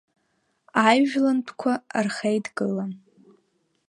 Аижәлантәқәа рхеидкыла.